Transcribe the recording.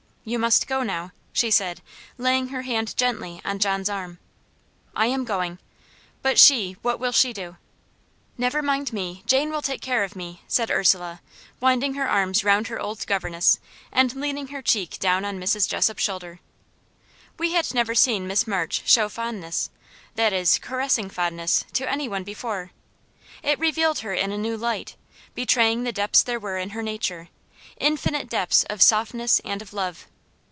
"You must go now," she said, laying her hand gently on John's arm. "I am going. But she what will she do?" "Never mind me. Jane will take care of me," said Ursula, winding her arms round her old governess, and leaning her cheek down on Mrs. Jessop's shoulder. We had never seen Miss March show fondness, that is, caressing fondness, to any one before. It revealed her in a new light; betraying the depths there were in her nature; infinite depths of softness and of love.